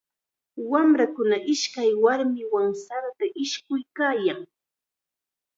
Wamrakuna ishkay warmiwan sarata ishkuykaayan.